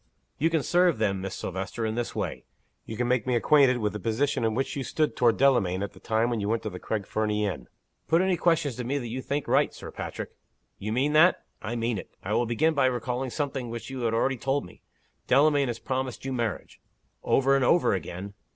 "You can serve them, Miss Silvester, in this way. You can make me acquainted with the position in which you stood toward Delamayn at the time when you went to the Craig Fernie inn." "Put any questions to me that you think right, Sir Patrick." "You mean that?" "I mean it." "I will begin by recalling something which you have already told me. Delamayn has promised you marriage " "Over and over again!"